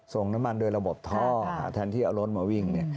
ส่งน้ำมันโดยระบบท่อแทนที่เอารถมาวิ่งเนี่ย